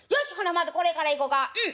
まずこれからいこかうん！